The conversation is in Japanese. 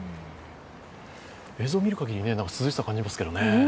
映像見るかぎり、涼しさ感じますけどね。